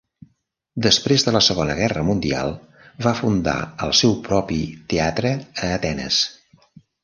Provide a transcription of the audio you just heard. Després de la Segona Guerra Mundial, va fundar el seu propi teatre a Atenes.